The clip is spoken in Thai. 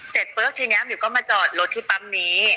เสร็จปุ๊บทีนี้มิวก็มาจอดรถที่ปั๊มนี้